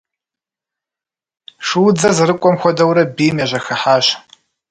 Шуудзэр зэрыкӏуэм хуэдэурэ бийм яжьэхыхьащ.